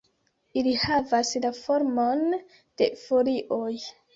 Ili havas la formon de folioj.